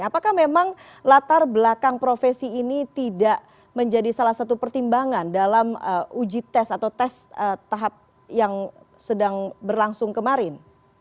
apakah memang latar belakang profesi ini tidak menjadi salah satu pertimbangan dalam uji tes atau tes tahap yang sedang berlangsung kemarin